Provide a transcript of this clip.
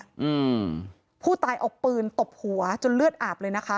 อืมผู้ตายเอาปืนตบหัวจนเลือดอาบเลยนะคะ